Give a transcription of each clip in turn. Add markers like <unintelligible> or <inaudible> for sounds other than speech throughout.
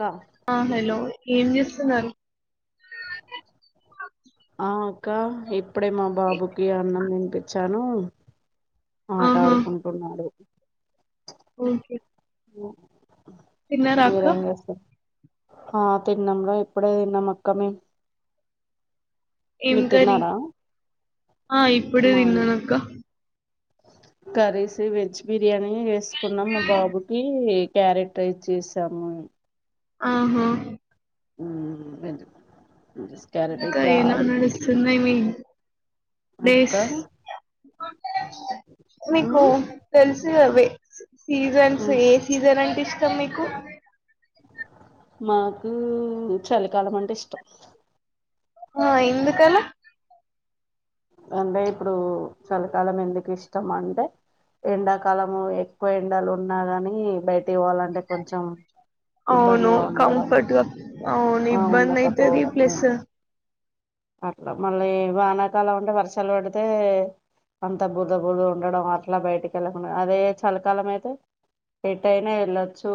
కా హలో ఏం చేస్తు న్నారు ఆ అక్క ఎప్ ఇప్పుడే మా బాబుకి అన్నం తినిపించాను ఆట ఆహా! ఆడుకుంటున్నాడు ఓకే అ తిన్నారా అక్క? మీరుఎంచేస్తున ఆ తిన్నాము రా ఇప్పుడే తిన్నాం అక్క మే ఏం కరి ఆ ఇప్పుడే తిన్నానక్క కరిస్. వెజ్. బిరియానీ వేసుకున్నాం మా బాబుకి క్యారెక్టరైజ్ చేసాము ఆహా మ్మ్ క్యారెట్ ఇప్పుడు కాయినా ఆడుకున్నాం నడుస్స్తున్నా మీ అక్క రైస్ మీీకు మ్మ్? తెలుసు అవే సీజన్స్ ఏ సీజన్ అంటే ఇష్టం మీకు మాకు చలికాలం అంటే ఇష్టం ఆ ఇందుకాల అంటే ఇప్పుడు చలికాలం ఎందుకు ఇష్టం అంటే ఎండాకాలము ఎక్కువ ఎండాలు ఉన్నా ని బయట్ తవాలంటే కొంచెం అవును ఇబ్బందిగా ఉండడం కంఫర్ట్‌గా అవును ఆ ఇబ్బందయితది ఉండకపోవడం ప్లస్ అతే అట్లా మళ్ళీ వానాకాలం అంటే వర్షాలు పడితే అంత బురద బురద ఉండడం అట్లా బయటికి వెళ్ళకుండా అదే చలికాలం అయితే ఎటు అయినా వెళ్ళొచ్చు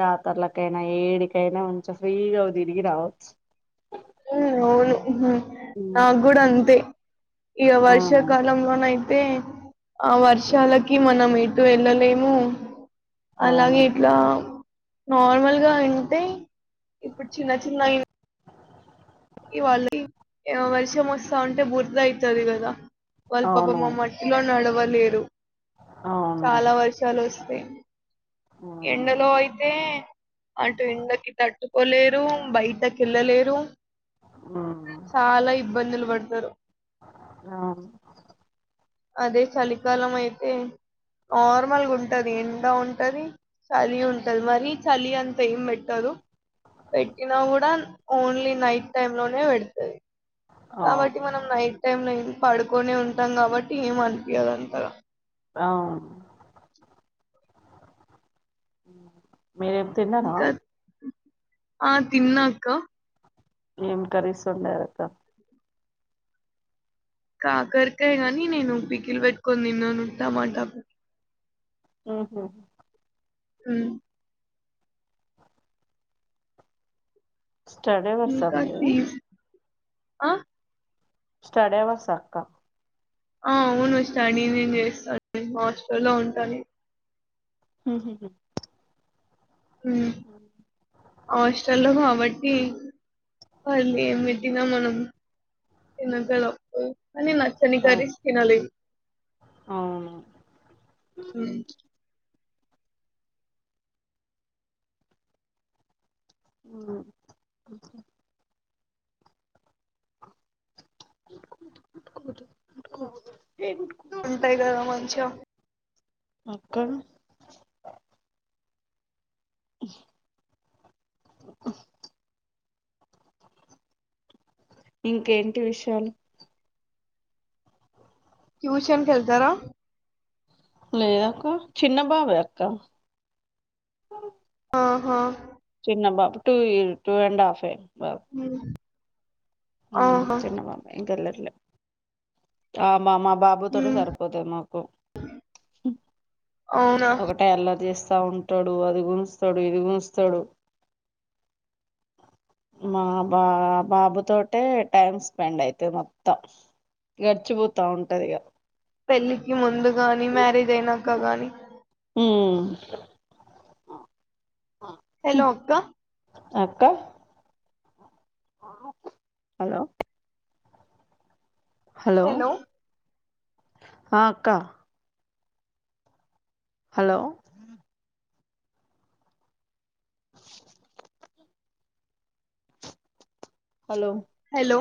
జాతరలకైనా ఏడికైనా మంచె ఫ్రీగా తిరిగి రావచ్చు మ్మ్ అవును ఆ కూడా అంతే ఈ ఆ వర్షాకాలంలోన అయితే ఆ వర్షాలకి మనం ఎటు వెళ్ళలేము అవును అలాగే ఇట్లా నార్మల్గా ఉంటే ఇప్పుడు చిన్న చిన్నవి గా ఇవాళ వర్షం వస్తాంటే బుర్ద అయితది కదా వాల్ అవును పపమ మట్లో నడవద్ లేరు అవును చాలా వర్షాలు వస్తాయి అవును ఎండలో అయితే అటు ఎండకి తట్టు పోలేరు బయటకి వెళ్ళలేరు ఉమ్, చాలా ఇబ్బందులు పడతారు అవును అదే చలికాలం అయితే నార్మల్గా ఉంటది ఎండ ఉంటది చలి ఉంటది మరి చలి అంత ఏం పెట్టదు పెట్టినా కూడా ఓన్లీ నైట్ టైమ్ లోనే పెడతది అవును కాబట్టి మనం నైట్ టై లో పడుకొనే ఉంటాం కాబట్టి ఏం అనిపియదు అంతగా ఆ ఆ మీరేం తిన్నార ఇంకా ఆ తిన్నా అక్క నిం కరిగిస్తలే అక్కా కాకరకాయ గాని నేను పికిలు పెట్టుకొని తిన్నాను టమాటా ఆ హ మ్మ్ స్టడీ అవర్స ఇంకా మీది చీజ్ ఆ స్టడేవా సక్క ఆ అవును స్టడీనే చేస్తాను హాస్టలో ఉంటాను మ్మ్ హ్మ్ మ్మ్ హాస్టల్లో మా అవ్వ ఈ వాల్ ఏం పెట్టిన మనం తినగలం మ్మ్ నచ్చని అవు కర్రీస్ తినలేం అవును ఆ ఆహా ఉంటాయి కదా మంచం అక్కా ఇంకేంటి విషయాలు ట్యూషన్ కెళ్తారా లేదక్క చిన్న బావే అక్క ఆహా. చిన్న బాబే టూ ఇయ టూ అండ్ హాఫే. ఉమ్. ఉమ్ ఆహా చిన్నబాబు ఏంకర్లేదు. ఆహ్. మా బాబుతోటే ఉమ్ సరిపోతాది మాకు అవునా ఒకటే ఎల్లా చేస్త్. స్త ఉంటాడు. అది గుంస్తాడు ఇది గుంస్తాడు మా బా బాబుతోట్. అంటే టైమ్ స్పెండ్ అయితది మొత్తం గడిచిపోతా ఉంటది ఇక. పెళ్ళికి ముందు గాని మ్యారేజ్ అయినాంక గాని. ఉమ్. హలో అక్క. అక్క. హలో. హలో. ఆహ్ అక్క. హలో. <inaudible> హలో. హలో.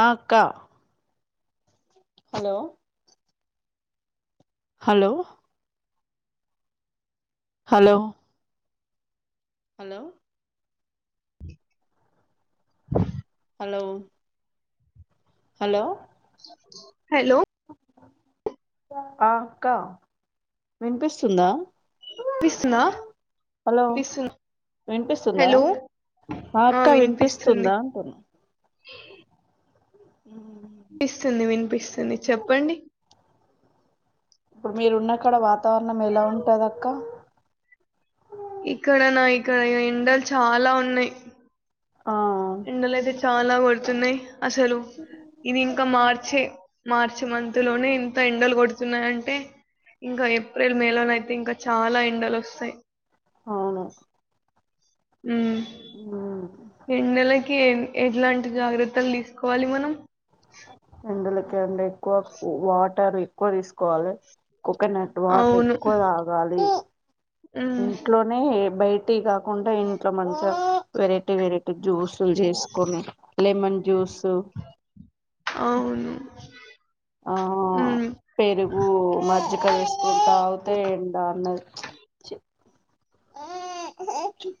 అక్క. హలో. హలో. హలో. హలో. ఆహ్. హలో. హలో. హలో. ఆహ్ అక్క వినిపిస్తుందా. వినిపిస్తుందా హలో వినిపిస్తుందా హలో ఆ అక్క ఆహ్ వినిపిస్తుంది. వినిపిస్తుందా అంటున్నా వినిపిస్తుంది వినిపిస్తుంది చెప్పండి. ఇప్పుడు మీరు ఉన్నక్కడ వాతావరణం ఎలా ఉంటది అక్క. ఇక్కడనా ఇక్కడ ఎండలు చాలా ఉన్నాయి. ఆ ఉండలేదే చాలా. అలా పడుతున్నాయి. అసలు ఇది ఇంకా మార్చే. మార్చి మంత్ లోనే ఇంత ఎండలు కొడుతున్నాయి అంటే. ఇంకా ఏప్రిల్ మే లోనయితే ఇంకా చాలా ఎండలు వస్తాయి. అవును. ఉమ్. ఆహ్. ఎండెలకే ఎట్లాంటి జాగ్రత్తలు తీసుకోవాలి మనం. ఎండలకే అండి. క్ వా అంటారు ఎక్కువ తీసుకోవాలి కోకోనట్ వాటర్ అవును ఎక్కువ తాగాలి ఉమ్ ఇంట్లోనే బయ టీ కాకుండా ఇంట్లో మంచిగా వెరైటీ వెరైటీ జ్యూసులు చేసుకొని లెమన్ జ్యూస్ అవును ఆ ఉమ్ పెరుగు మజ్జిిక వసుక అావతే ఏండన్న ఆ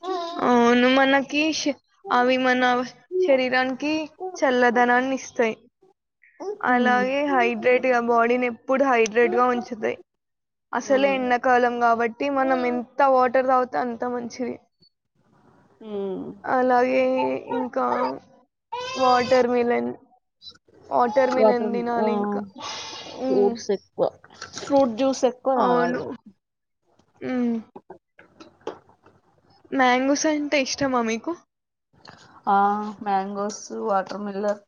కీశ్ అవి మన ఉమ్ శరీరానికి చల్లదనాన్ని ఇస్తాయి అలాగే హైడ్రేట్గా బాడీని ఎప్పుడు హైడే హైడ్రేట్ గా ఉంచుతాయి అసలే ఉమ్ ఎండాకాలం కాబట్టి మనం ఎంత వాటర్ రా అంత మంచిది అలాగే ఇంకా ఉమ్ వాటర్ మిలన్ వాటర్ మిలన్ తినాలి ఇంకా ఫ్రూట్స్ ఎక్కువ ఫ్రూట్ జూస్ ఎక్కువ తాగాలి మరీ ఉ మ్యాంగోస్ అంటే ఇష్టమా మీకు ఆ మ్యాంగోస్ వాటర్ మిలన్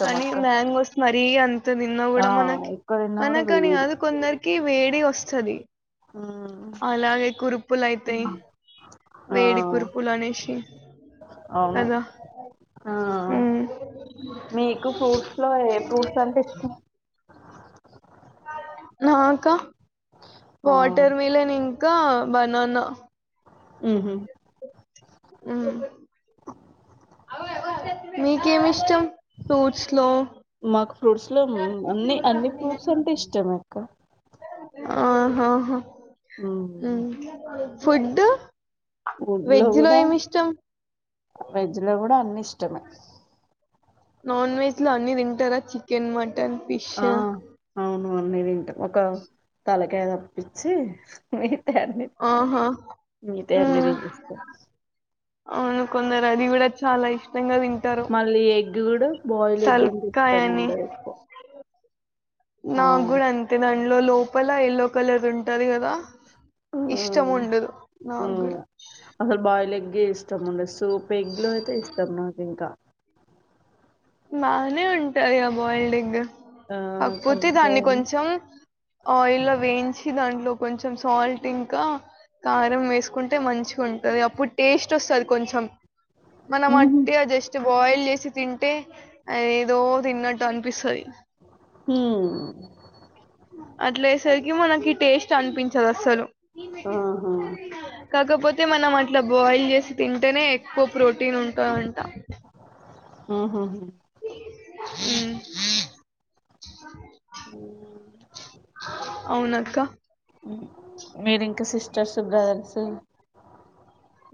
కానీ మ్యాంగోస్ మరి దియన్ ఎంత తిన్నా ఆ మనకి ఎక్కువ తిన్నా కూడా మనకని కాదు కొందరికి మనకని వేడి కాదు కొందరికి వేడి వస్తది వస్తది మ్మ్ అలాగే కురుపులు అతాయి ఆ వేడి కురుపులు అనేసి అవును కదా ఆ హుమ్మ్ మీకు ఫ్రూట్స్ లో ఏ ఫ్రూట్స్ అంటే ఇష్టం నాక ఆ వాటర్ మిలన్ ఇంకా ఇంకా బనానా ఉ హు ఉ హు మీకేమి ఇష్టం ఫ్రూట్స్ లో మాకు ఫ్రూట్స్ లో అన్ని అన్ని ఫ్రూట్స్ అంటే ఇష్టమే అక్క ఆహాహా మ్మ్ మ్ ఫుడ్ గుడ్డులో వెజ్‌లో కూడా ఏమిష్టం? వెజ్ లో కూడా అన్ని ఇష్టమే నాన్ వెజ్ లో అన్ని తింటారా చికెన్ మటన్ ఫిష్? ఆ అవును ఆ అన్ని తింటాం ఒక తల <unintelligible> పిచ్చి అంతే అన్ని ఆహా! ఉమ్ తినేస్తాం అవును కొన్నారుఅది కూడా చాలా ఇష్ మళ్లీ ఎగ్ బాయిల్ ఎగ్ అంటే ఇష్టం తల్కాయని ఉండదు ఎక్కువ ఆ నాగుడు అంతే గా లోపల ఎల్లో కలర్ ఉంటది కదా ఆ ఇష్టముండదు నా ఆ, కూడా అసలు బాయిల్ ఎగ్గే ఇష్టం ఉండ సూప్ ఎగ్ లో అయితే ఇష్టం నాకు ఇంకా బానే ఉంటాయి ఆ బాయిల్డెగ్ ఆ కాకపోతే అంతే దాన్ని కొంచెం ఆయిల్ వేయించి దాంట్లో కొంచెం సాల్ట్ ఇంకా కారం వేసుకుంటే మంచిగా ఉంటంది అప్పుడు టేస్ట్ వస్తుంది కొంచెం మన మ ఉహు అట్టి అ జస్ట్ బాయిల్ చే చితిన్ టె అది ఏదో తిన్నట్టు అనిపిస్తది హుమ్ అట్లే అయ్యే సరికి మనకి టేస్ట్ అనిపించదు అసలు ఆహా కాకపోతే మనం అట్లా బాయిల్ చేసి తింటేనే ఎక్కువ ప్రోటీన్ ఉంటదంట ఆ హా హా హ్మ్ అవునా అక్క మీరు ఇంకా సిస్టర్స్ బ్రదర్సు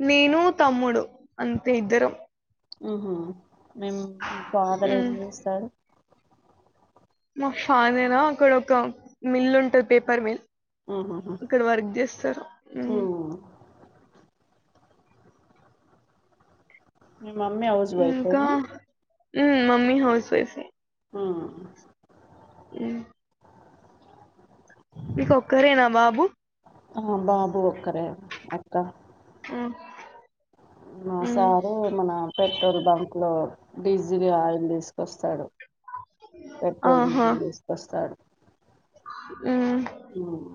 నేను తమ్ముడు అంతే ఇద్దరం హు హూ మేము ఫాదర్ ఏం ఉమ్ చేస్తారు మా <unintelligible> అక్కడ ఒక మిల్ ఉంటుది పేపర్ మిల్ అక్కడ వర్క్ చేస్తారు ఉహుహు మీ మమ్మీ హౌస్ వైఫ్యినా ఉ మమ్మీ హౌస్వైఫ్ ఆ ఆ మీక ఒక్కరేనా బాబు ఆ బాబు ఒక్కరే అక్క ఆఓ సారు మన పెట్రోల్ బంక్ లో డీజిల్ ఆయిల్ తీసుకొస్తాడు ప పెట్రోల్ డీజల్ వసు కస్తడు హ ఉమ్.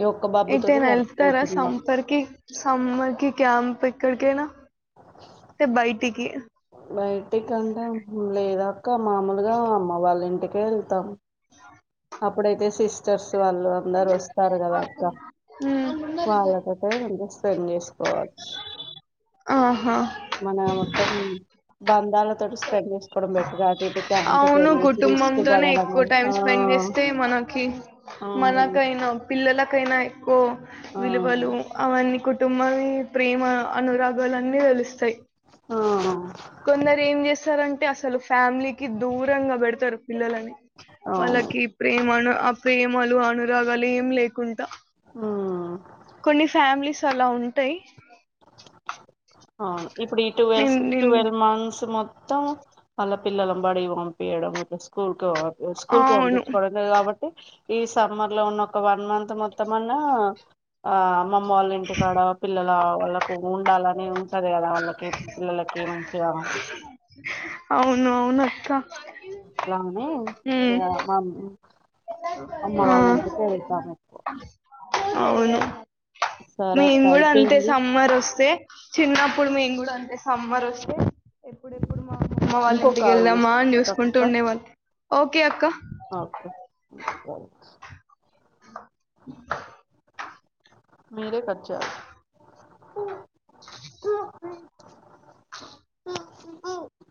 ఈ ఒక్క బాబుతోటి ఇతేేనా వెళ్తార సరిపోతుంది మాకు సమ్మర్కి సమ్మర్ క్యాంప్ త ఇక్కడకైన స బైటికి బయటికి అంటే లే <unintelligible> ఇంకా మామూలుగా అమ్మ వాళ్ళ ఇంటికి వెళ్తాం అప్పుడైతే సిస్టర్స్ వాళ్ళు అందరు వస్తారు కదాక్క ఉమ్ వాళ్ళతో స్పెండ్ చేసుకోవచ్చు ఆహా మన మొత్తం బంధాల తడు స్పెండ్ చేసుకోవడం బట్టట ఇ క్యాంపుకి అవును వెళ్ళసి రిస్క్ప డడం వస్తే మనకి మనకైనా పిల్లలకైనా ఎ కో ఆ విలువలు అవన్నీ కొట్ తుమ్మని ప్రేమ అనురాగాలన్నీ తేలుస్తాయి ఆ కొందరు ఏం చేస్త సరంగ అంటే అసలు ఫ్యామిలీకి దూరంగా పెడతారు పిల్లలని అవును వాళ్ళకి ప్రేమను ఆ ప్రేమలు అనురాగాలు ఏమి లేకుంటే ఉమ్ కొన్ని ఫ్యామిలీస్ చాలా ఉంటాయి అవును ఇప్పుడు ఈ టువెల్స్ నిన్ నిన్ ట్వెల్వ్ మంత్స్ మొత్తం త్త మల పిల్లలంబడి పంపియడం ఇట్లా స్కూల్ కి స్కూల్ కు అవును పంపించుకోవడం లేదు కాబట్టి ఈ సమ్మర్ లో ఉన్న ఒక వన్ మంత్ మొత్తం అన్నా ఆ అమ్మ వాళ్ళ ఇంటికాడ పిల్ల వాళ్ళకు ఉండాలని ఉంటది కదా వాళ్ళకి పిల్లలకి మంచిగా అవును అవును అత్త అట్లానే మా అమ్మ ఆ వాళ్ళ ఇంటికి వెళ్తాం ఎక్కువ అవునా సరే మేం అక్క కూడా అంతే అయిపోయింది సమ్మర్ వస్తే చిన్నప్పుడు మేము కూడా అంతే సమ్మర్ వస్తే ఎప్పుడెప్పుడు మా అమ్మమ్మ వాళ్ళ ఇంకో ఇంటికి కాల్ వెళ్దామా అని చూసుకుంటూ చేస్తా ఉండేవాళ్ళు ఓకే అక్క ఓకే ఒకే ఒకే మేరే కట్ చేయాలి